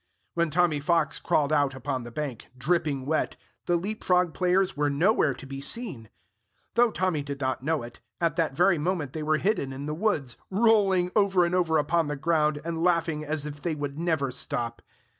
When Tommy Fox crawled out upon the bank, dripping wet, the leap frog players were nowhere to be seen. Though Tommy did not know it, at that very moment they were hidden in the woods, rolling over and over upon the ground, and laughing as if they would never stop.